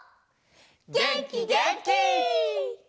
げんきげんき！